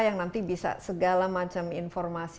yang nanti bisa segala macam informasi